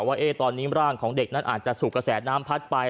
ว่าตอนนี้ร่างของเด็กนั้นอาจจะสูบกระแสน้ำพัดไป